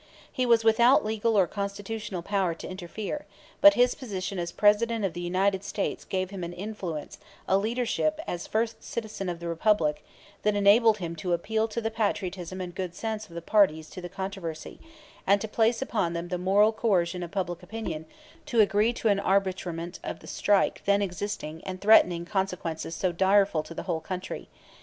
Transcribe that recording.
He was without legal or constitutional power to interfere, but his position as President of the United States gave him an influence, a leadership, as first citizen of the republic, that enabled him to appeal to the patriotism and good sense of the parties to the controversy and to place upon them the moral coercion of public opinion to agree to an arbitrament of the strike then existing and threatening consequences so direful to the whole country.